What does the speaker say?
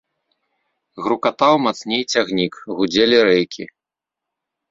Грукатаў мацней цягнік, гудзелі рэйкі.